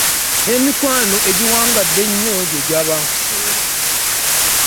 N'emikwano egiwangadde ennyo gy'egya wankunssere ..